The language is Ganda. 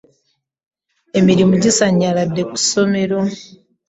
Emirimu gisannyaladde ku ssomero.